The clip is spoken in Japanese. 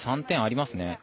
３点ありますね。